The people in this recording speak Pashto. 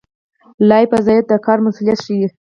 لایحه وظایف د کار مسوولیت ښيي